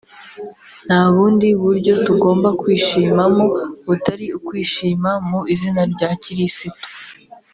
nta bundi buryo tugomba kwishima mo butari ukwishima mu izina rya Kirisitu